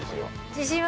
自信は。